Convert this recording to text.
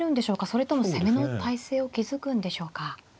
それとも攻めの態勢を築くんでしょうか。